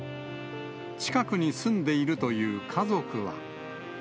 近くに住んでいるという家族は。